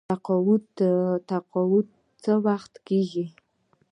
تقاعد څه وخت کیږي؟